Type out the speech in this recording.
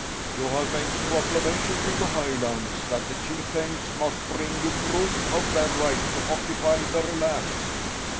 "You have made proclamation in the Highlands that the chieftains must bring you proof of their right to occupy their lands."